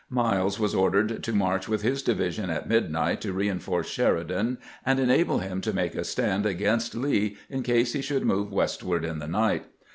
Miles was ordered to march with his division at midnight to reinforce Sheridan and enable him to make a stand against Lee in case he should move westward in the night.